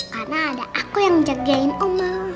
karena ada aku yang jagain ma